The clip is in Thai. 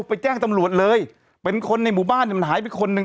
ไปแจ้งตำรวจเลยเป็นคนในหมู่บ้านเนี่ยมันหายไปคนหนึ่ง